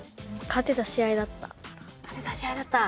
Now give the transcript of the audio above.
勝てた試合だった？